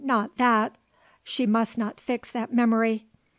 not that! she must not fix that memory!